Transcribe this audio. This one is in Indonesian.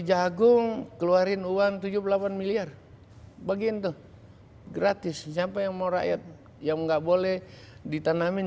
jagung keluarin uang tujuh puluh delapan miliar bagian tuh gratis siapa yang mau rakyat yang enggak boleh ditanamin